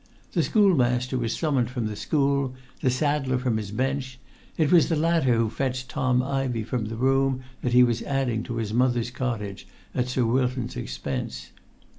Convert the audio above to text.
The schoolmaster was summoned from the school, the saddler from his bench: it was the latter who fetched Tom Ivey from the room that he was adding to his mother's cottage at Sir Wilton's expense.